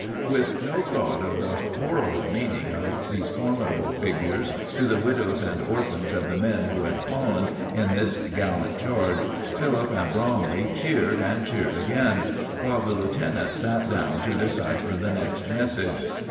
With no thought of the horrible meaning of these formidable figures to the widows and orphans of the men who had fallen in this gallant charge, Philip and Bromley cheered and cheered again, while the lieutenant sat down to decipher the next message.